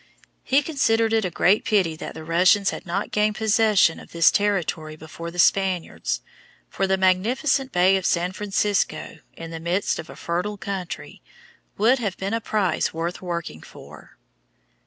He considered it a great pity that the Russians had not gained possession of this territory before the Spaniards, for the magnificent bay of San Francisco, in the midst of a fertile country, would have been a prize worth working for.